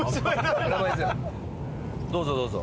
どうぞどうぞ。